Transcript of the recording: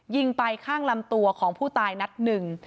ยิงไปข้างลำตัวของผู้ตายนัดหนึ่ง